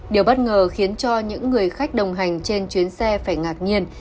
điều bất ngờ khiến cho những người khách đồng hành trên chuyến xe phải ngạc nhiên